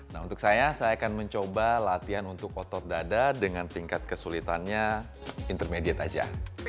nah untuk saya saya akan mencoba latihan untuk otot dada dengan tingkat kesulitannya intermediate saja